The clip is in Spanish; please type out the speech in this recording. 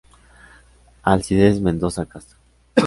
Alcides Mendoza Castro.